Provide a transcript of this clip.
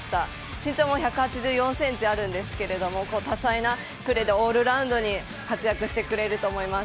身長も１８４ｃｍあるんですけど多彩なプレーでオールラウンドに活躍してくれると思います。